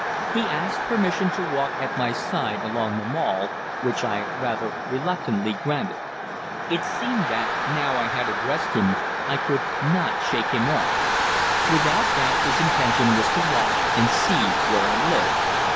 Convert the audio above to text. He asked permission to walk at my side along the Mall, which I rather reluctantly granted. It seemed that, now I had addressed him, I could not shake him off. Without doubt his intention was to watch, and see where I lived.